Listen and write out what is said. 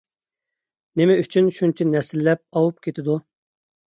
نېمە ئۈچۈن شۇنچە نەسىللەپ ئاۋۇپ كېتىدۇ؟